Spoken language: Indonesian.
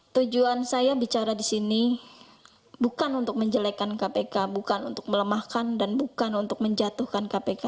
tujuan saya bicara di sini bukan untuk menjelekan kpk bukan untuk melemahkan dan bukan untuk menjatuhkan kpk